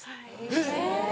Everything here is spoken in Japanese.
えっ！